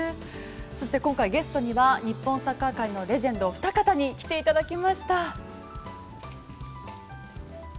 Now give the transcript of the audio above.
そして今回ゲストには日本サッカー界のレジェンドお二方に来ていただきました。